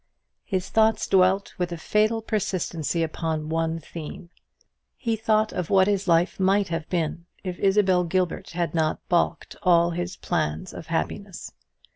His thoughts dwelt with a fatal persistency upon one theme. He thought of what his life might have been, if Isabel Gilbert had not balked all his plans of happiness.